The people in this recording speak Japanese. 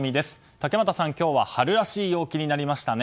竹俣さん、今日は春らしい陽気になりましたね。